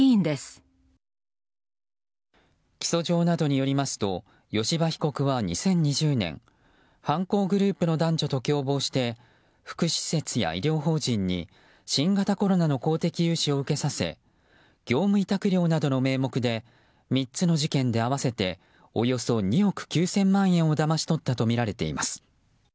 起訴状などによりますと吉羽被告は２０２０年犯行グループの男女と共謀して福祉施設や医療法人に新型コロナの公的融資を受けさせ業務委託料などの名目で３つの事件で合わせておよそ２億９０００万円をだまし取ったとみられています。